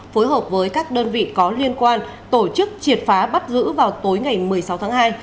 phối hợp với các đơn vị có liên quan tổ chức triệt phá bắt giữ vào tối ngày một mươi sáu tháng hai